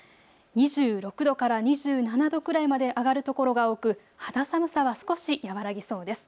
２６度から２７度くらいまで上がる所が多く、肌寒さは少し和らぎそうです。